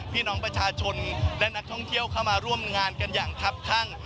พี่น้องประชาชนและนักท่องเที่ยวเข้ามาร่วมงานกันอย่างคับข้าง